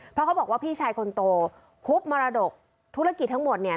เพราะเขาบอกว่าพี่ชายคนโตฮุบมรดกธุรกิจทั้งหมดเนี่ย